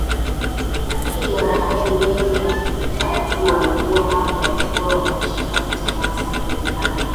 K wanahabari wengi na watu walikuwa hapa walikuwa wameshakata tamaa sana kutokana na